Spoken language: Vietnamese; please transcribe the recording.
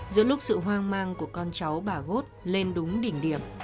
giữa lúc sự hoang mang của con cháu bà gốt lên đúng đỉnh điểm